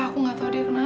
aku gak tau dia kenapa